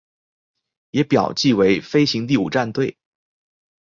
也表记为飞行第五战队。